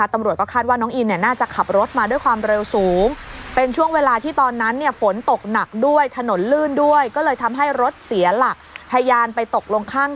ตำรวจก็คาดว่าน้องอินน่าจะขับรถมาด้วยความเร็วสูง